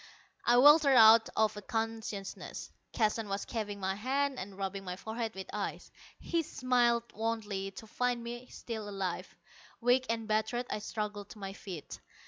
I weltered out of unconsciousness. Keston was chafing my hands and rubbing my forehead with ice. He smiled wanly to find me still alive. Weak and battered, I struggled to my feet.